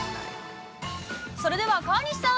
◆それでは、川西さん